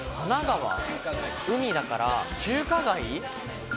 海だから中華街？